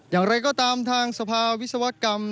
อย่างไรก็ตามทางสภาวิศวกรรม